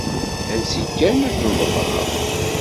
Ansi kkan ad ten-ḍefreɣ.